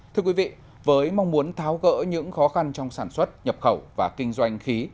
thưa quý vị với mong muốn tháo gỡ những khó khăn trong sản xuất nhập khẩu và kinh doanh khí